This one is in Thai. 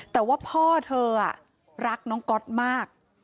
แต่ว่าพ่อเธอรักน้องก๊อตมาก